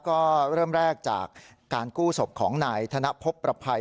ก็เริ่มแรกจากการกู้ศพของนายธนพบประภัย